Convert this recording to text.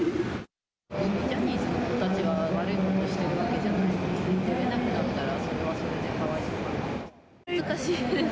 ジャニーズの子たちが悪いことをしているわけじゃないので、出られなかったら、それはそれでかわいそうだなと思います。